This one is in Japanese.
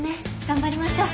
頑張りましょう。